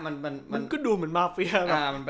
มันก็ดูเหมือนมาเฟียนะ